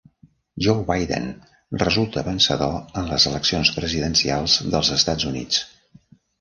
Joe Biden resulta vencedor en les eleccions presidencials dels Estats Units.